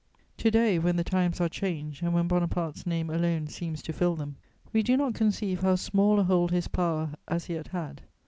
To day, when the times are changed and when Bonaparte's name alone seems to fill them, we do not conceive how small a hold his power as yet had.